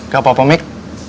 gak apa apa mik